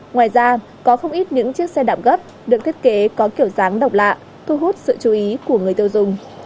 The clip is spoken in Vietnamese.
ngoài ra có không ít những chiếc xe đạp gấp được thiết kế có kiểu dáng độc lạ thu hút sự chú ý của người tiêu dùng